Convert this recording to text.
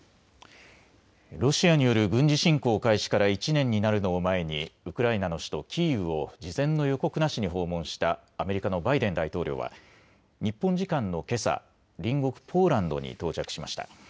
ロシアによる軍事侵攻開始から１年になるのを前にウクライナの首都キーウを事前の予告なしに訪問したアメリカのバイデン大統領は日本時間のけさ隣国ポーランドに到着しました。